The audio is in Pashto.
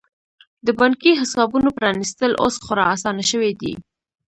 د بانکي حسابونو پرانیستل اوس خورا اسانه شوي دي.